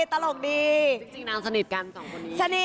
ตลกดี